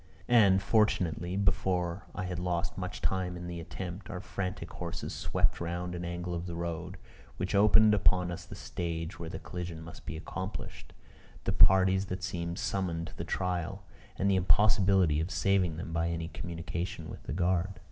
And, fortunately, before I had lost much time in the attempt, our frantic horses swept round an angle of the road, which opened upon us the stage where the collision must be accomplished, the parties that seemed summoned to the trial, and the impossibility of saving them by any communication with the guard.